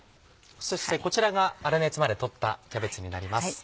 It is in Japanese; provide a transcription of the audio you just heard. そしてこちらが粗熱までとったキャベツになります。